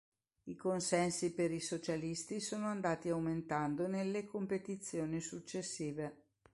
I consensi per i Socialisti sono andati aumentando nelle competizioni successive.